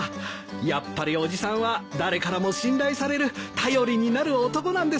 やっぱり伯父さんは誰からも信頼される頼りになる男なんですねえ。